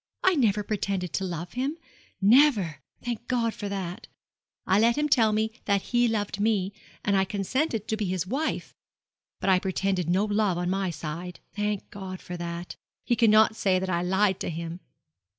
I never pretended to love him never thank God for that! I let him tell me that he loved me, and I consented to be his wife; but I pretended no love on my side. Thank God for that! He cannot say that I lied to him.'